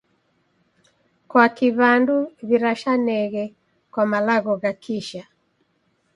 Kwaki w'andu w'irashaneghe kwa malagho gha kisha?